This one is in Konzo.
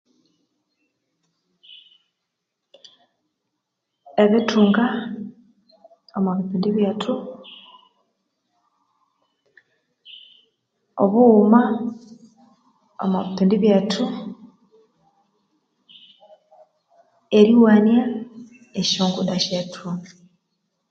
Ebithunga omu bipindi byethu ebughuma omu bipindi byethu eryuwania esyongudda syethu